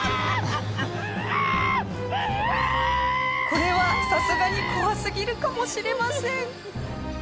これはさすがに怖すぎるかもしれません。